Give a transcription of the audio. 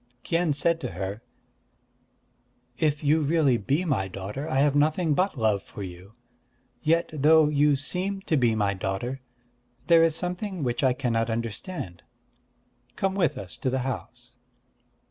Kien said to her: "If you really be my daughter, I have nothing but love for you. Yet though you seem to be my daughter, there is something which I cannot understand.... Come with us to the house."